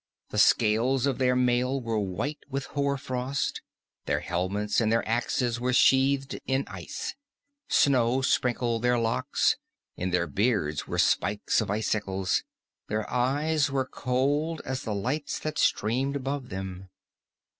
The scales of their mail were white with hoar frost; their helmets and their axes were sheathed in ice. Snow sprinkled their locks; in their beards were spikes of icicles; their eyes were cold as the lights that streamed above them.